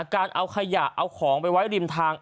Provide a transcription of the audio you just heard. การเอาขยะเอาของไปไว้ริมทาง